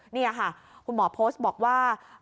นี่ค่ะคุณหมอโพสต์บอกว่า